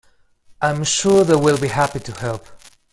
I'm sure they'll be happy to help.